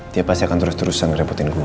dia pasti akan terus terusan repotin gue